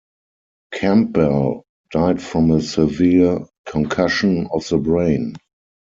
Campbell died from a severe concussion of the brain.